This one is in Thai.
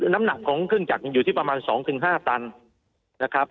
น้ำหนักของเครื่องจักรอยู่ที่ประมาณ๒๕ตันนะครับ